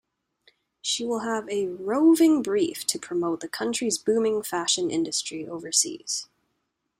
She will have a "roving brief to promote the country's booming fashion industry overseas".